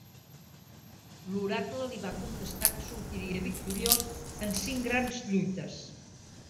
L'oracle li va contestar que sortiria victoriós en cinc grans lluites.